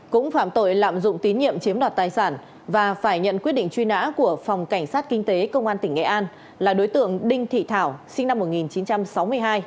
cũng phạm tội lạm dụng tín nhiệm chiếm đoạt tài sản và phải nhận quyết định truy nã của phòng cảnh sát kinh tế công an tỉnh nghệ an là đối tượng đinh thị thảo sinh năm một nghìn chín trăm sáu mươi hai